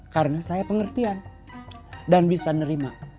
karena saya pengertian dan bisa nerima